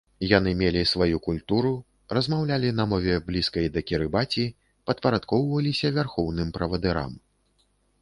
Яны мелі сваю культуру, размаўлялі на мове, блізкай да кірыбаці, падпарадкоўваліся вярхоўным правадырам.